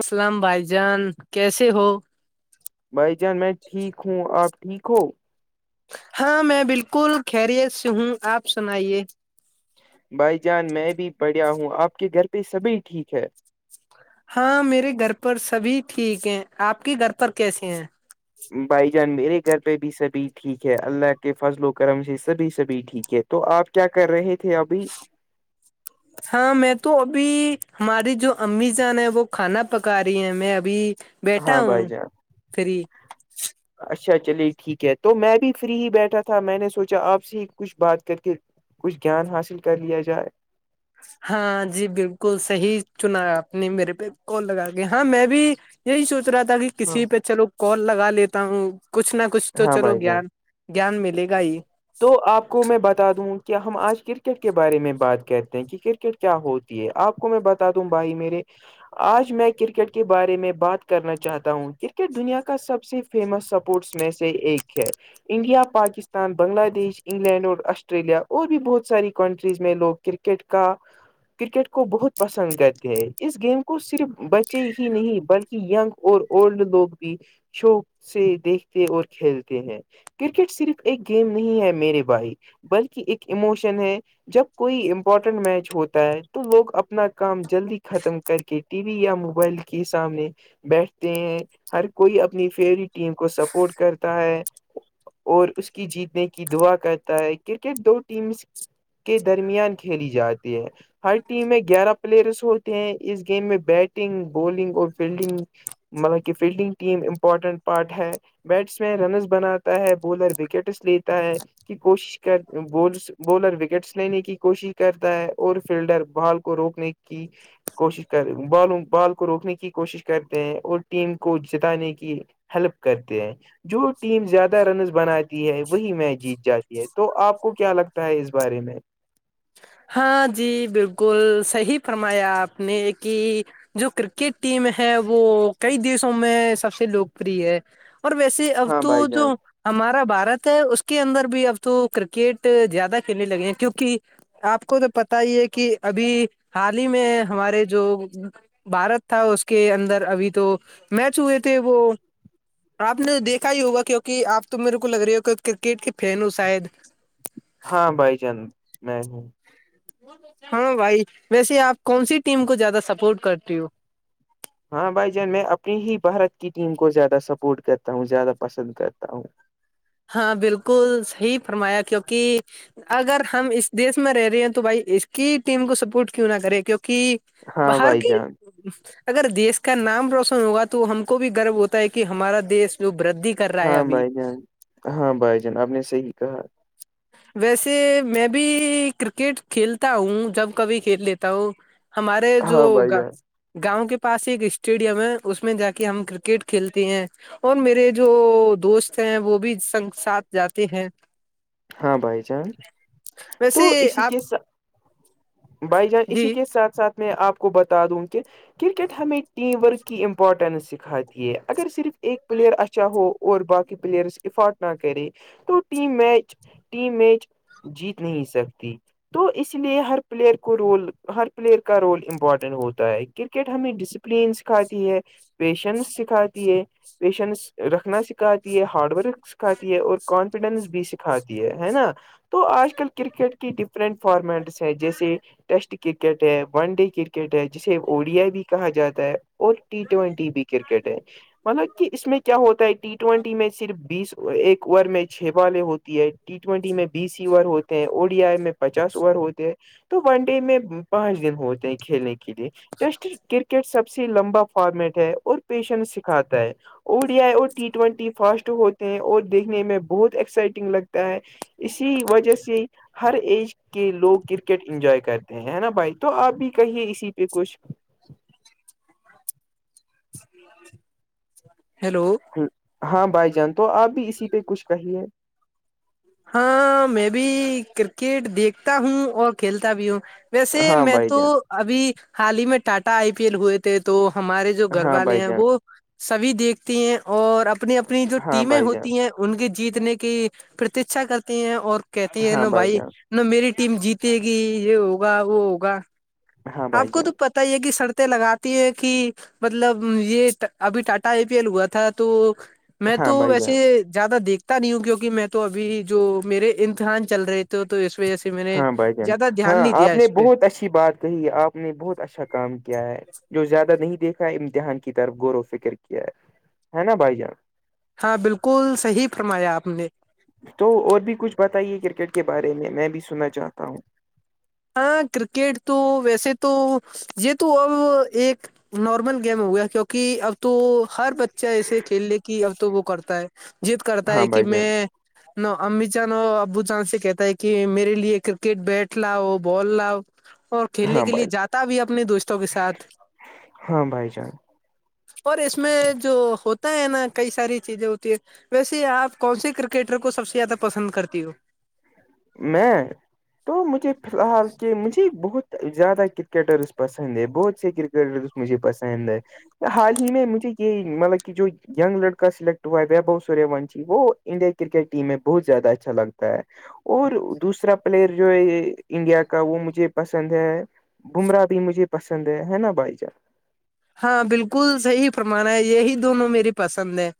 اسلام بھائی جان کیسے ہو بھائی جان میں ٹھیک ہوں آپ ٹھیک ہو ہاں میں بالکل خیریت سے ہوں آپ سنائیے بھائی جان میں بھی پڑھیا ہوں آپ کے گھر پہ سبھی ٹھیک ہے ہاں میرے گھر پر سبھی ٹھیک ہیں آپ کے گھر پر کیسے ہیں بھائی جان میرے گھر پہ بھی سبھی ٹھیک ہے اللہ کے فضل و کرم سے سبھی سبھی ٹھیک ہے تو آپ کیا کر رہے تھے ابھی [inaudible] ہاں میں تو ابھی ہماری جو امی جان ہے وہ کھانا پکا رہی ہیں میں ابھی بیٹھا ہاں بھائی ہوں جان فری اچھا چلیے ٹھیک ہے تو میں بھی فری ہی بیٹھا تھا میں نے سوچا آپ سے کچھ بات کر کے کچھ گیان حاصل کر لیا جائے ہاں جی بالکل صحی چنا آپ نے میرے پہ کال لگا کے ہاں میں بھی یہی سوچ رہا تھا کہ ہاں کسی پہ چلو کال لگا لیتا ہوں کچھ نہ کچھ تو ہاں چلو بھائی جان گان گیان ملے گا ہی تو آپ کو میں بتا دوں کیا ہم آج کرکٹ کے بارے میں بات کرتے ہیں کہ کرکٹ کیا ہوتی ہے آپ کو میں بتا دوں بھائی میرے آج میں کرکٹ کے بارے میں بات کرنا چاہتا ہوں کرکٹ دنیا کا سب سے فیمس سپورٹس میں سے ایک ہے انڈیا پاکستان بھی بنگلہ دیش انگلینڈ اور آسٹریلیا اور بھی بہت ساری کنٹریز میں لوگ کرکٹ کا کرکٹ کو بہت پسند کرتے ہیں اس گیم کو صرف بچے ہی نہیں بلکہ ینگ اور اولڈ لوگ بھی شوق سے دیکھتے اور کھیلتے ہیں کرکٹ صرف ایک گیم نہیں ہے میرے بھائی بلکہ ایک ایموشن ہے جب کوئی امپورٹنٹ میچ ہوتا ہے تو لوگ اپنا کام جلدی ختم کر کے ٹی وی یا موبائل کے سامنے بیٹھتے ہیں ہر کوئی اپنی فیورٹ ٹیم کو سپورٹ کرتا ہے اور اس کی جیتنے کی دعا کرتا ہے کرکٹ دو ٹیمس کے درمیان کھیلی جاتی ہے ہر ٹیم میں گیارہ پلیئرس ہوتے ہیں اس گیم میں بیٹنگ بالنگ اور فیلڈنگ مطلب کہ فیلڈنگ ٹیم امپورٹنٹ پارٹ ہے بیٹس مین رنز بناتا ہے بولر وکٹ لیتا ہے کہ کوشش کر بول بالر وکٹس لینے کی کوشش کرتا ہے اور فیلڈر بال کو روکنے کی کوشش کر بالوں بال کو روکنے کی کوشش کرتے ہیں اور ٹیم کو جتانے کی ہیلپ کرتے ہیں جو ٹیم زیادہ رنز بنے ہے وہی میچ جیت جاتی ہے تو آپ کو کیا لگتا ہے اس بارے میں ہاں جی بالکل صحیح فرمایا آپ نے کہ جو کرکٹ ٹیم ہے وہ کئی دیشوں میں سب سے لوکپری ہے اور ویسے اب ہاں تو بھائی جان جو ہمارا بھارت ہے اس کے اندر بھی اب تو کرکٹ زیادہ کھیلنے لگے ہیں کیونکہ آپ کو تو پتا ہی ہے کہ ابھی حال ہی میں ہمارے جو بھارت تھا اس کے اندر ابھی تو میچ ہوئے تھے وہ آپ نے دیکھا ہی ہوگا کیونکہ آپ تو میرے کو لگ رہی ہو کہ کرکٹ کی فین ہوں شاید ہاں بھائی جان میں ہوں ہاں بھائی ویسے آپ کون سی ٹیم کو زیادہ سپورٹ کرتی ہو ہاں بھائی جان میں اپنی ہی بھارت کی ٹیم کو زیادہ سپورٹ کرتا ہوں زیادہ پسند کرتا ہوں ہاں بالکل صحیح فرمایا کیونکہ اگر ہم اس دیش میں رہ رہے ہیں تو بھائی اس کی ٹیم کو سپورٹ کیوں نہ کرے کیونکہ ہاں باہر بھائی کی جان اگر دیش کا نام روشن ہوگا تو ہم کو بھی گرو ہوتا ہے کہ ہمارا دیش جو وردی ہاں بھائی جان ہاں بھائی جان آپ نے صحیح کہا [inaudible] ویسے میں بھی کرکٹ کھیلتا ہوں جب کبھی کھیل لیتا ہوں ہمارے جو ہاں بھائی ہوگا جان گاؤں کے پاس ایک اسٹیڈیم ہے اس میں جا کے ہم کرکٹ کھیلتے ہیں اور میرے جو دوست ہیں وہ بھی سنگ ساتھ جاتے ہیں ہاں بھائی ویسے تو اسی آپ کے ساتھ بھائی جان اسی جی کے ساتھ ساتھ میں آپ کو بتا دوں کہ کرکٹ ہمیں ٹیم ورک کی امپورٹنس سکھاتی ہے اگر صرف ایک پلیئر اچھا ہو اور باقی پلیئر افاٹ نہ کرے تو ٹیم میچ ٹیم میچ جیت نہیں سکتی تو اس لیے ہر پلیئر کو رول ہر پلیئر کا رول امپورٹنٹ ہوتا ہے کرکٹ ہمیں ڈیس پلین سکھاتی ہے پیشنس سکھاتی ہے پیشنس رکھنا سکھاتی ہے ہارڈ ورک سکھاتی ہے اور کانفیڈینس بھی س کاتی ہے ہے نا تو آج کل کرکٹ کی ڈفرنٹ فارمیٹس ہیں جیسے ٹیسٹ کرکٹ ہے ون ڈے کرکٹ ہے جسے اڈیا بھی کہا جاتا ہے اور ٹی ٹوینٹی بھی کرکٹ ہے مطلب کہ اس میں کیا ہوتا ہے ٹی ٹوینٹی میں صرف بیس ایک اوور میں چھ بالے ہو تی ہےٹی ٹوینٹی میں بی سیور ہوتے ہیں اوڈی آئی میں پچاس اوور ہوتے ہیں تو ون ڈے میں پانچ دن ہوتے ہیں کھیلنے لیے ٹیسٹ کرکٹ سب سے لمبا فارمیٹ ہے اور پیشنس سکھاتا ہے اڈی آئی اور ٹی ٹوینٹی فاسٹ ہوتے ہیں اور دیکنے میں بہت ایکسائٹ لگتا ہے اسی وجہ سے ہر ایج کہ لوگ کرکٹ انجوائے کرتے ہیں نا بھائی تو آپ بھی کہیے اسی پہ کچھ ہیلو ہاں بھائی جان تو آپ بھی اسی پہ کچھ کہیے ہاں میں بھی کرکٹ دیکھتا ہوں اور کھیلتا بھی ہوں ویسے ہاں میں بھائی تو جان ابھی حال ہی میں ٹاٹا آئی پی ایل ہوئے تھے تو ہمارے جو گھر ہاں والے بھائی ہیں جان وہ سبھی دیکھتی ہیں اور اپنی اپنی جو ہاں ٹیمیں بھائی جان ہوتی ہیں ان کے جیتنے کی پرتیھا کرتی ہیں اور کہتی ہیں ہاں نا بھائی جان نہ میری ٹیم جیتے گی یہ ہوگا وہ ہوگا ہاں بھائی آپ کو تو جان پتا ہی ہے کہ سرطیں لگاتی ہیں کہ مطلب یہ ابھی ٹاٹا آئی پی ایل ہوا تھا تو میں ہاں تو بھائی ویسے جان زیادہ دیکھتا نہیں ہوں کیوںکہ میں تو ابھی جو میرے امتحان چل رہے تھ تو اس وجہ سے میں نے ہاں بھائی جان زیادہ دھیان ہاں نہیں دیا آپ نے اس پہ بہت اچھی بات کہی آپ نے بہت اچھا کام کیا ہے جو زیادہ نہیں دیکھ امتحان کی طرف غور و فکر کیا ہے نا بھائی جان ہاں بالکل صحیح فرمایا آپ نے تو اور بھی کچھ بتائیے کرکٹ کے بارے میں میں بھی سننا چاہتا ہوں ہاں کرکٹ تو ویسے تو یہ تو اب ایک نارمل گیم ہو گیا کیوںکہ اب تو ہر بچہ ایسے کھیل لے کہ اب تو وہ کرتا ہے جید کرتا ہے ہاں کہ بھائی جان میں نو امی چاندو ابو چاند سے کہتا ہے کہ میرے لیے کرکٹ بیٹھ لاؤ بال لاؤ اور کھیلنے ہاں کے لیے بھائی جاتا بھی اپنے دوستوں کے ساتھ ہاں بھائی جان اور اس میں جو ہوتا ہے نا کئی ساری چیزیں ہوتی ہے ویسے آپ کون سے کرکٹر کو سب سے زیادہ پسند کرتی ہو میں تو مجھے فی الحال کے مجھ بہت زیادہ کرکٹرس پسند ہے بہت سے کرکٹرس مجھے پسند ہے حال ہی میں مجھے یہ مطلب کہ جو لڑکا سلیکٹ ہوا ہے وبھو سوریہ ونشی وہ انڈیا کرکٹ ٹیم میں بہت زیادہ اچھا لگتا ہے اور دوسرا پلیئر جو ہے انڈیا کا وہ مجھے پسند ہے بمراہ بھی مجھے پسند ہے نا بھائی جار ہاں بالکل صحیح فرمانا ہے یہی دونوں میری پسند ہے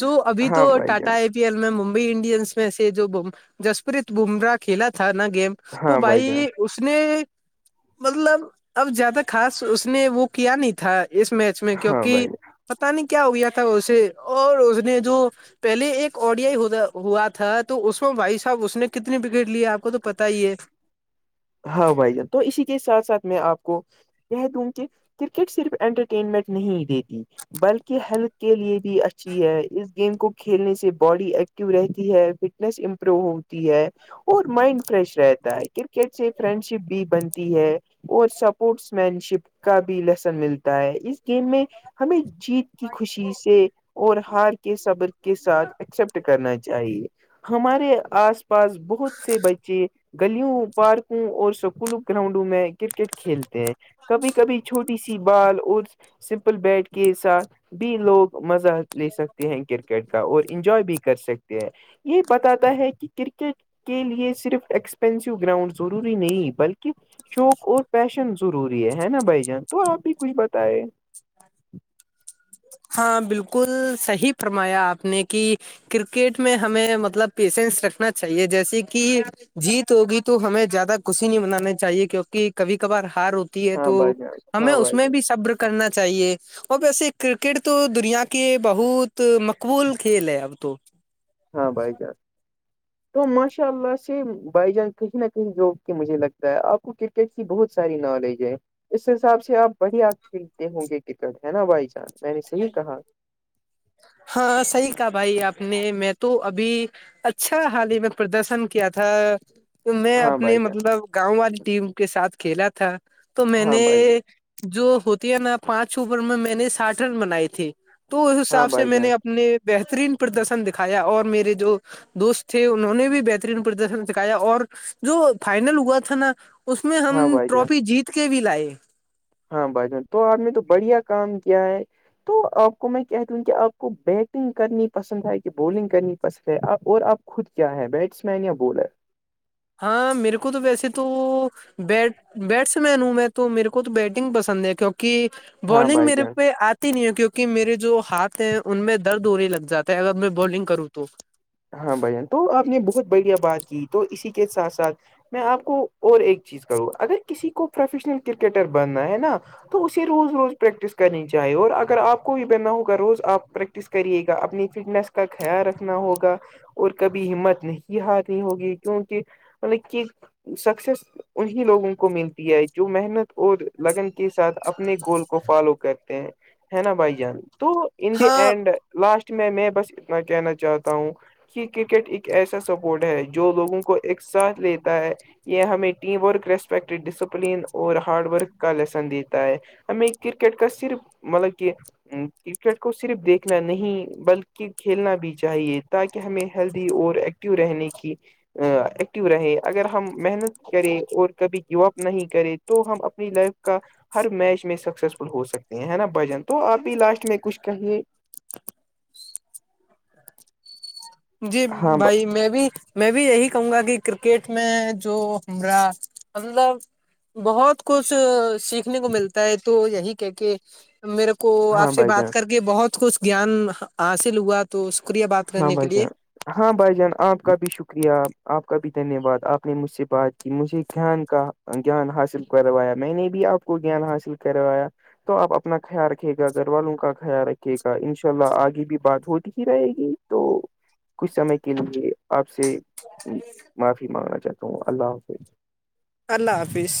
جو ابھی تو ہاں بھائی ٹاٹا جان ایپ پی ایل میں ممبئی انڈینس میں سے جو جسپریت بمراہ کھیلا تھا نا گیم تو ہاں جان بھائی اس نے مطلب اب زیادہ خاص اس نے وہ کیا نہیں تھا اس میچ میں ہاں بھائی کیوںکہ پتہ نہیں کیا ہو گیا تھا اسے اور اس نے جو پہلے ایک اڈیائی ہوا تھا تو اس میں بھائی صاحب اس نے کتنی وکٹ لی آپ کو تو پتا ہی ہے ہاں بھائی جان تو اسی کے ساتھ ساتھ میں آپ کو کہہ دوں کہ کرکٹ صرف انٹرٹینمنٹ نہیں دیتی بلکہ ہیلتھ کے لیے بھی اچھی ہے اس گیم کو کھیلنے سے باڈی ایک رہتی ہے فٹنیس امپرو ہوتی ہے اور مائنڈ فریش رہتا ہے کرکٹ سے فرینڈ شپ بھی بنتی ہے اور سپورٹس مین شپ کا بھی لیسن ملتا ہے اس گیم میں ہمیں جیت کی خوشی سے اور ہار کے صبر کے ساتھ ایکسپٹ کرنا چاہیے ہمارے آس پاس بہت سے بچیں گلیوں پارکوں اور سکولوں گراؤنڈوں میں کرکٹ کھیلتے ہیں کبھی کبھی چھوٹی سی بال اور سمپل بیٹ کے ساتھ بھی لوگ مزہ لے سکتے ہیں کرکٹ کا اور انجوائے بھی کر سکتے ہیں یہ بتاتا ہے کہ کرکٹ کے لیے صرف ایکسپینسو گراؤنڈ ضروری نہیں بلکہ شوق اور پیشن ضروری ہے ہے نا بھائی جان تو آپ بھی کچھ بتائے ہاں بالکل صحیح فرمایا آپ نے کہ کرکٹ میں ہمیں مطلب پیشنس رکھنا چاہیے جیسے کہ جیت ہوگی تو ہمیں زیادہ خوشی نہیں منانے چاہیے کیونکہ کبھی کبھار ہار ہوتی ہے ہاں تو بھائی جان ہمیں ہاں اس بھائی میں بھی جان صبر کرنا چاہیے اور ویسے ایک کرکٹ تو دنیا کے بہت مقبول کھیل ہے اب تو ہاں بھائی جان [inaudible] تو ماشاء اللہ سے بھائی جان کہیں نہ کہیں مجھے لگتا ہے آپ کو کرکٹ کی بہت ساری نالج ہے اس حساب سے آپ بڑھیا کھیلتے ہوں گے کرکٹ ہے نا بھائی جان میں نے صحیح کہا ہاں صحیح کہا بھائی آپ نے میں تو ابھی اچھا حال ہی میں پردرشن کیا تھا تو میں ہاں اپنے بھائی جان مطلب گاؤں والی ٹیم کے ساتھ کھیلا تھا تو میں ہاں نے بھائی جان جو ہوتی ہے نا پانچ اوور میں میں نے ساٹھ رن بنائے تے تو اس ہاں حساب سے بھائی میں جان نے اب نے بہترین پردرشن دکھایا اور میرے جو دوست تھے انہوں نے بھی بہترین پردرشن دکھایا اور جو فائنل ہوا تھا نا اس میں ہم ہاں بھائی جان ٹرافی جیت کے بھی لائے ہاں بھائی تو آپ نے تو بڑھیا کام کیا ہے تو آپ کو میں کہہ دوں کہ آپ کو بیٹنگ کرنی پسند ہے کہ بالنگ کرنی پسند ہے آپ اور آپ خود کیا ہے بیٹس مین یا بالر ہاں میرے کو تو ویسے تو بیٹ بیٹس مین ہوں میں تو میرے کو تو بیٹنگ پسند ہے کیونکہ ہاں بالنگ بھائی میرے جان پہ آ نہیں ہے کیونکہ میرے جو ہاتھ ہیں ان میں درد ہونے لگ جاتا ہے اگر میں بالنگ کروں تو ہاں بھائی جان تو آپ نے بہت بڑھیا بات کی تو اسی کے ساتھ ساتھ میں آپ کو اور ایک چیز کروں اگر کسی کو پروفیشنل کرکٹر بننا ہے نا تو اسے روز روز پریکٹس کرنی چاہیے اور اگر آپ کو بھی بنا ہوگا روز آپ پریکٹس پریکٹس کرتے گا اپنی فٹنس کا خیال رکھنا ہوگا اور کبھی ہمت نہیں ہارنی ہوگی کیونکہ مطلب کہ سکسیس انیں لوگوں کو ملتی ہے جو محنت اور لگن کے ساتھ اپنے گول کو فالو کرتے ہیں ہے نا بھائی جان تو ان دی ہاں اینڈ لاسٹ میں میں بس اتنا کہنا چاہتا ہوں کہ کرکٹ ایک ایسا سپورٹ ہے جو لوگوں کو ایک ساتھ لیتا ہے یہ ہمیں ٹیم ورک ریسپیکٹ ڈسپلین اور ہارڈ ورک کا لیسن دیتا ہے ہم کررکٹ کا صرف مطلب کہ کرکٹ کو صرف دیکھنا نہیں بلکہ کھیلنا بھی چاہیے تاکہ کہ ہمیں ہیلدی اور ایکٹو رہنے کی ایکٹیو رہے اگر ہم محنت کریں اور کبھی جیو اپ نہیں کریں تو ہم اپنی لائف کا ہر میچ میں سکسیسفل ہو سکتے ہے حینا بھائی جان تو آپ بھی لاسٹ میں کچھ کہیے جی ہاں بھائی میں بھی میں بھی یہی کہوں گا کہ کرکٹ میں جو ہمر مطلب بہت کچھ سیکھنے کو ملتا ہے تو یہی کہ کے میرے کو آپ ہاں سے بھائی جان بات کر کے کہ بہت کچھ گیان حاصل ہوا تو شکریہ بات ہاں کرنے کے بھائی لیے جان ہاں بھائی جان آپ کا بھی شکریہ آپ کا بھی دھنیہ واد آپ نے مجھ سے بات کی مجھے گیان کا گیان حاصل کروایا میں نے بھی آپ کو س کو گیان حاصل کروایا تو آپ اپنا خیال رکھے گا گھر والوں کا خیال رکھھیے گا انشاء اللہ آگے بھی بات ہوتی ہی رہے گی تو کچھ سمے کے لیے آپ سے معافی مانگنا چاہتے تو اللہ حافظ اللہ حافظ